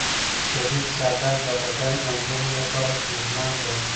شدید سر درد د بدن او ذهن لپاره ستونزمن دی.